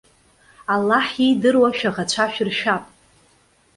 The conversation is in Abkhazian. Аллаҳ иидыруа шәаӷацәа шәыршәап.